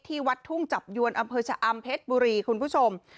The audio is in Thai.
วัดทุ่งจับยวนอำเภอชะอำเพชรบุรีคุณผู้ชม